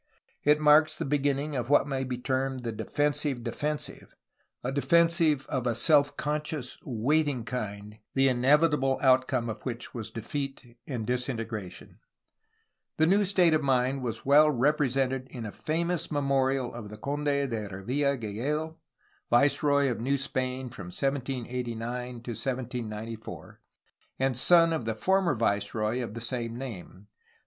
It marks the begin ning of what may be termed the "defensive defensive," a defensive of a self conscious, waiting kind, the inevitable outcome of which was defeat and disintegration. The new state of mind was well represented in a famous memorial of the Conde de Revilla Gigedo, viceroy of New Spain from 1789 to 1794 and son of the former viceroy of the same name.